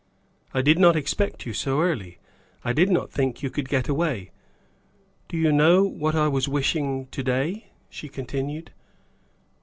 "I did not expect you so early. I did not think you could get away. Do you know what I was wishing to day?" she continued.